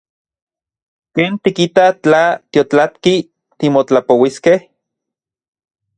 ¿Ken tikita tla tiotlatki timotlapouiskej?